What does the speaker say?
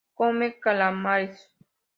Come calamares.